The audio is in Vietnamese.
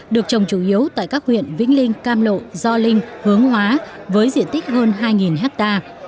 được trồng chủ yếu tại các huyện vĩnh linh cam lộ gio linh hướng hóa với diện tích hơn hai hectare